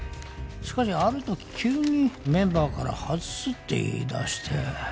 しかしある時急にメンバーから外すって言い出して。